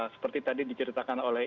seperti tadi diceritakan oleh